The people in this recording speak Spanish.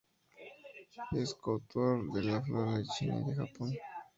Es coautor de la Flora de China, y de Japón.